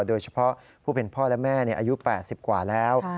โดยเฉพาะผู้เป็นพ่อและแม่อายุ๘๐กว่าแล้ว